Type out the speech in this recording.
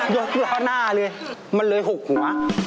ยกล้อหน้าเลยมันเลยหกหัว